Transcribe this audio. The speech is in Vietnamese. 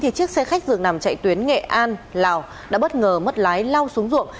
thì chiếc xe khách dường nằm chạy tuyến nghệ an lào đã bất ngờ mất lái lau xuống ruộng